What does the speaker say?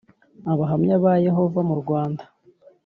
Abahamya ba Yehova mu rwanda